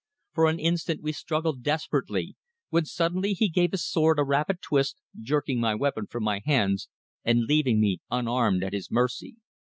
For an instant we struggled desperately, when suddenly he gave his sword a rapid twist, jerking my weapon from my hands and leaving me unarmed at his mercy.